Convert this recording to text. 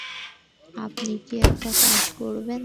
আপনি কি একটা কাজ করবেন?